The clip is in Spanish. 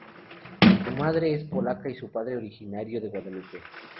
Su madre es polaca y su padre es originario de Guadalupe.